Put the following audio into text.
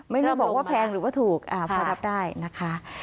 ไม่รู้บอกว่าแพงหรือว่าถูกพอรับได้นะคะ